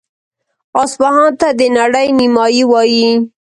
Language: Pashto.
اصفهان ته د نړۍ نیمایي وايي.